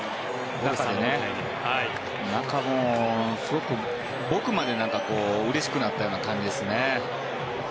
なんか、もうすごく僕までうれしくなったような感じですね。